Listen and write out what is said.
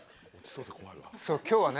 そう今日はね